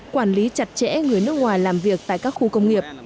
quản lý chặt chẽ người nước ngoài làm việc tại các khu công nghiệp